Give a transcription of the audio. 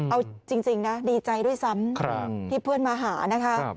เอาจริงนะดีใจด้วยซ้ำที่เพื่อนมาหานะคะ